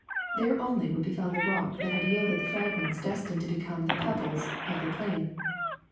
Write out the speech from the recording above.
There only would be found the rock that had yielded the fragments destined to become the pebbles of the plain.